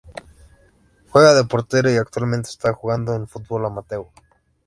Juega de portero y actualmente está jugando en el fútbol amateur.